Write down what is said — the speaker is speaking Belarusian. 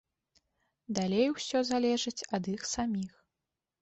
Далей усё залежыць ад іх саміх.